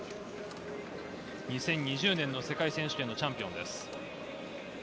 ２０２０年世界選手権のチャンピオンです。